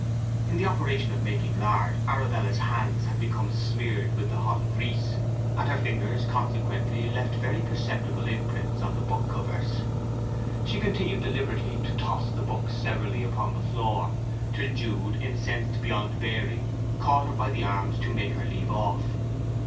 In the operation of making lard Arabella's hands had become smeared with the hot grease, and her fingers consequently left very perceptible imprints on the book covers. She continued deliberately to toss the books severally upon the floor, till Jude, incensed beyond bearing, caught her by the arms to make her leave off.